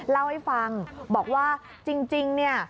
เล่าให้ฟังบอกว่าจริงเนี่ย